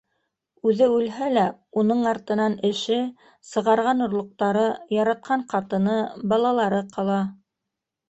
Үҙе үлһә лә уның артынан эше: сығарған орлоҡтары, яратҡан ҡатыны, балалары ҡала.